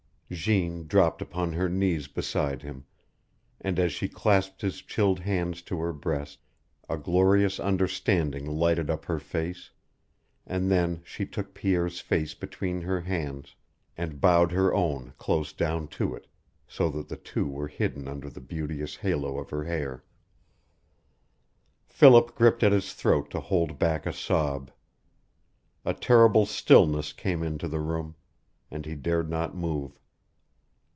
Jeanne dropped upon her knees beside him, and as she clasped his chilled hands to her breast a glorious understanding lighted up her face; and then she took Pierre's face between her hands, and bowed her own close down to it, so that the two were hidden under the beauteous halo of her hair. Philip gripped at his throat to hold back a sob. A terrible stillness came into the room, and he dared not move.